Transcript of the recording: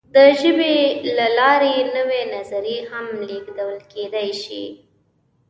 د ژبې له لارې نوې نظریې هم لېږدول کېدی شي.